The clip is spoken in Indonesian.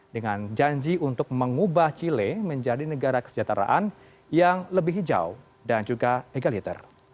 dengan janji untuk mengubah chile menjadi negara kesejahteraan yang lebih hijau dan juga egaliter